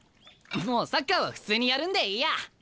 もうサッカーは普通にやるんでいいや。